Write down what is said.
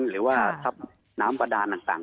หรือว่าทัพน้ำบาดานต่าง